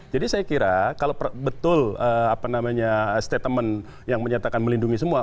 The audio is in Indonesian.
jadi saya kira kalau betul apa namanya statement yang menyatakan melindungi semua